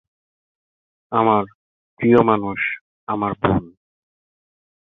এই পাণ্ডুলিপি রচনার কাজটি তিনি করেন হ্যাম্পশায়ারের স্টিভেনটনে।